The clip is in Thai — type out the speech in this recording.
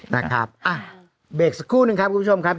นะครับอ่ะเบรกสักครู่นึงครับคุณผู้ชมครับ